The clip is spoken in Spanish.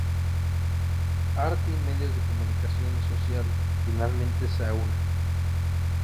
Arte y medios de comunicación social, finalmente se aúnan.